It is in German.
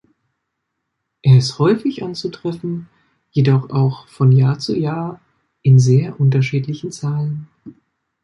Er ist häufig anzutreffen, jedoch auch von Jahr zu Jahr in sehr unterschiedlichen Zahlen.